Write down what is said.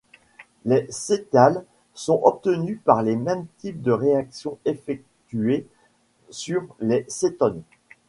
Les cétals sont obtenus par le même type de réaction effectuée sur les cétones.